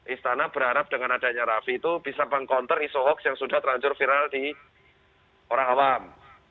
istana berharap dengan adanya rafi itu bisa meng counter isu hoax yang sudah terlanjur viral di orang awam